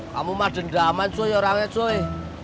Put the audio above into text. kamu mah dendaman coy orangnya coy